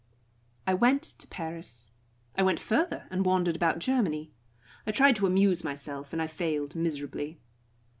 I went to Paris. I went further, and wandered about Germany. I tried to amuse myself, and I failed miserably.